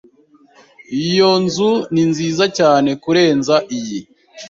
Iyo nzu ni nziza cyane kurenza iyi.